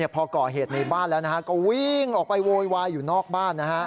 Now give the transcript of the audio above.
พอก่อเหตุในบ้านแล้วก็วิ่งออกไปโวยวายอยู่นอกบ้าน